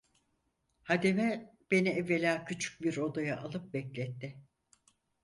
Hademe beni evvela küçük bir odaya alıp bekletti.